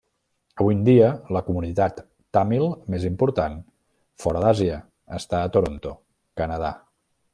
Avui en dia, la comunitat tàmil més important fora d'Àsia està a Toronto, Canadà.